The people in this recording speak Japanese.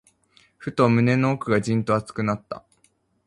ふと、胸の奥がじんと熱くなった。